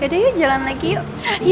gak ada yuk jalan lagi yuk